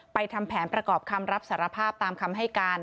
ทำแผนประกอบคำรับสารภาพตามคำให้การ